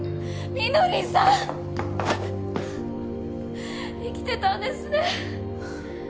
翠さん生きてたんですね！